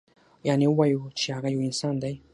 یعنې ووایو چې هغه یو انسان دی.